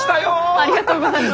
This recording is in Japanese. ありがとうございます。